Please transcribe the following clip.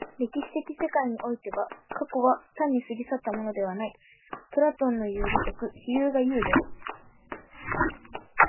歴史的世界においては、過去は単に過ぎ去ったものではない、プラトンのいう如く非有が有である。